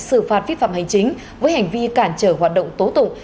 xử phạt vi phạm hành chính với hành vi cản trở hoạt động tố tụng